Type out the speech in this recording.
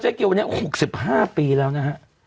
เจ๊เกลกิ่ลนี้๖๕ปีแล้วนะฮะวันนี้